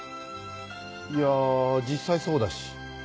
いや実際そうだし。